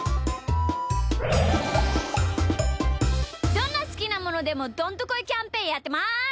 どんなすきなものでもどんとこいキャンペーンやってます。